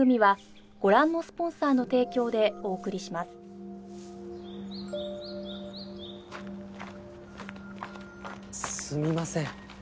すみません。